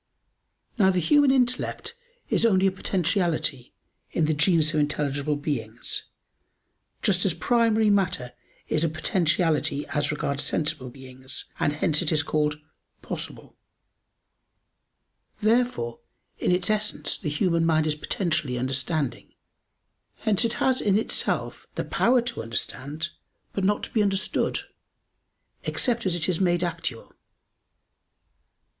Now the human intellect is only a potentiality in the genus of intelligible beings, just as primary matter is a potentiality as regards sensible beings; and hence it is called "possible" [*Possibilis elsewhere in this translation rendered "passive" Ed.]. Therefore in its essence the human mind is potentially understanding. Hence it has in itself the power to understand, but not to be understood, except as it is made actual.